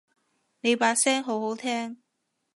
你把聲好好聽